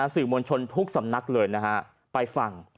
สื่อมวลชนทุกสำนักเลยนะฮะไปฟัง